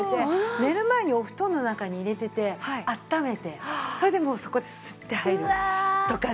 寝る前にお布団の中に入れててあっためてそれでもうスッて入るとかね。